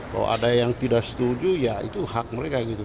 kalau ada yang tidak setuju ya itu hak mereka gitu